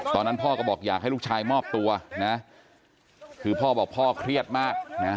ตอนนั้นพ่อก็บอกอยากให้ลูกชายมอบตัวนะคือพ่อบอกพ่อเครียดมากนะ